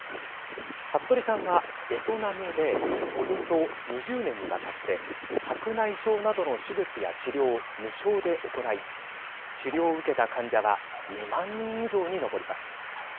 服部さんは、ベトナムでおよそ２０年にわたって白内障などの手術や治療を無償で行い治療を受けた患者は２万人以上に上ります。